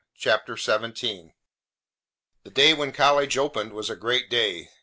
CHAPTER XVII The day when college opened was a great day.